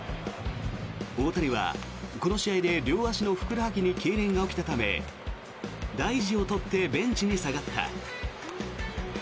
大谷はこの試合で両足のふくらはぎにけいれんが起きたため大事を取ってベンチに下がった。